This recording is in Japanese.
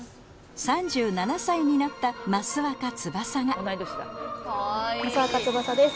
３７歳になった益若つばさが益若つばさです